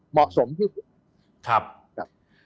เหมาะสมที่สุด